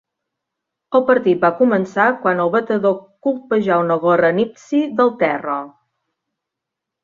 El partit va començar quan el batedor colpejà una gorra nipsie del terra.